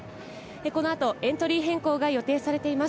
この後エントリー変更が予定されています。